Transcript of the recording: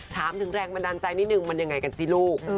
ถามถึงแรงบันดาลใจนิดนึงมันยังไงกันสิลูก